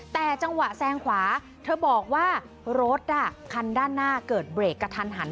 แต่จังหวะแซงขวาเธอบอกว่ารถคันด้านหน้าเกิดเบรกกระทันหัน